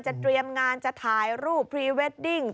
เตรียมงานจะถ่ายรูปพรีเวดดิ้ง